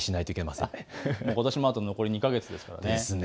ことしもあと残り２か月です。